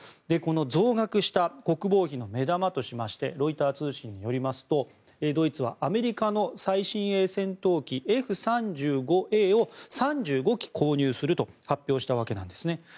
この増額した国防費の目玉としましてロイター通信によりますとドイツはアメリカの最新鋭戦闘機Ｆ３５Ａを３５機購入すると発表したわけなんですね。